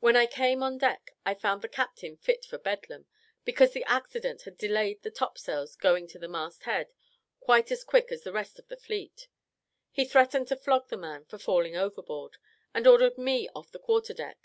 When I came on deck I found the captain fit for Bedlam, because the accident had delayed the topsails going to the mast head quite as quick as the rest of the fleet. He threatened to flog the man for falling overboard, and ordered me off the quarter deck.